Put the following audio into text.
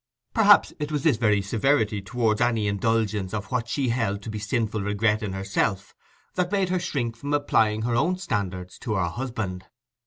Perhaps it was this very severity towards any indulgence of what she held to be sinful regret in herself, that made her shrink from applying her own standard to her husband.